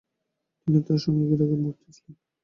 তিনি তার সময়ে ইরাকের মুফতি ছিলেন।